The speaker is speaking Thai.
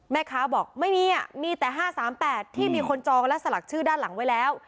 แม่ค้าบอกไม่มีมีแต่๕๓๘ที่มีคนจองและสลักชื่อด้านหลังไว้แล้ว